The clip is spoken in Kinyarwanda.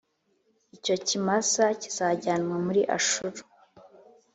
Icyo kimasa kizajyanwa muri Ashuru,